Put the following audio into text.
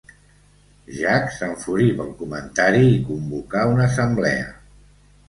Jack s'enfuria pel comentari i convoca una assemblea.